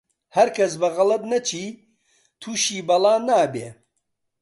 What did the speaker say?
هەرکەس بە غەڵەت نەچی، تووشی بەڵا نابێ